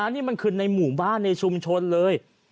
นี่มันคือในหมู่บ้านในชุมชนเลย